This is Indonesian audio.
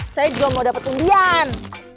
saya juga mau dapat undian